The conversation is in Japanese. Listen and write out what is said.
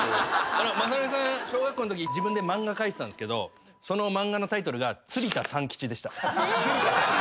雅紀さん小学校のとき自分で漫画描いてたんですけどその漫画のタイトルが『釣田三吉』でした。